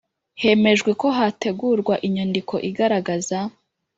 Hemejwe ko hategurwa inyandiko igaragaza